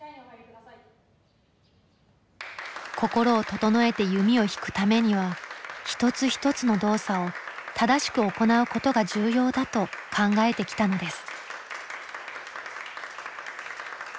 心を整えて弓を引くためには一つ一つの動作を正しく行うことが重要だと考えてきたのです。